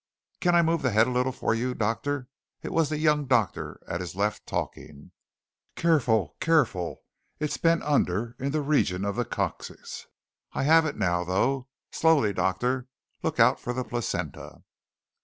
"Can I move the head a little for you, doctor?" It was the young doctor at his left talking. "Careful! Careful! It's bent under in the region of the coccyx. I have it now, though. Slowly, doctor, look out for the placenta."